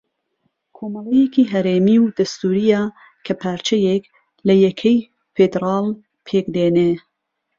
کۆمەڵەیەکی ھەرێمی و دەستوورییە کە پارچەیەک لە یەکەی فێدراڵ پێک دێنێ